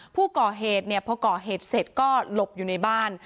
ผู้ก่อเหตุเนี่ยพอก่อเหตุเสร็จก็หลบอยู่ในบ้าน